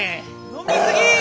飲み過ぎ！